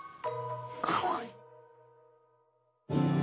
かわいい。